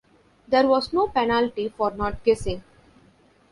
There was no penalty for not guessing.